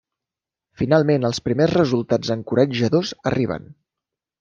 Finalment els primers resultats encoratjadors arriben.